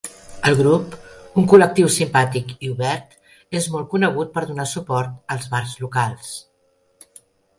El grup, un col·lectiu simpàtic i obert, és molt conegut per donar suport als bars locals.